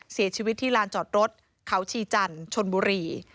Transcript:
เสียชีวิตที่ลานจอดรถเขาชีจันทร์ชนบุรี